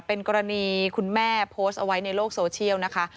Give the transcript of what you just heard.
เป็นกรณีคุณแม่โพสต์เอาไว้ในโลกโซเชียลนะคะ